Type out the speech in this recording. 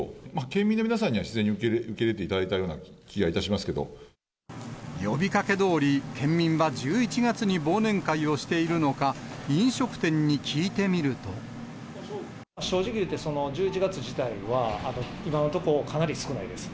県民の皆さんには自然に受け入れていただいたような気がいたしま呼びかけどおり、県民は１１月に忘年会をしているのか、正直言って、１１月自体は、今のところ、かなり少ないです。